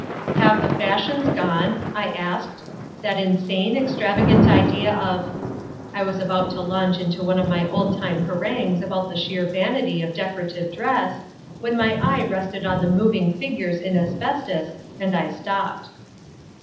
"Have the Fashions gone," I asked, "that insane, extravagant idea of—" I was about to launch into one of my old time harangues about the sheer vanity of decorative dress, when my eye rested on the moving figures in asbestos, and I stopped.